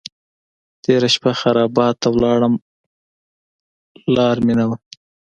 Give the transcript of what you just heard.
تېره شپه خرابات ته ولاړم لار مې نه وه.